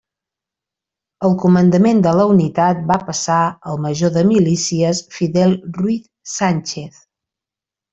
El comandament de la unitat va passar al major de milícies Fidel Ruiz Sánchez.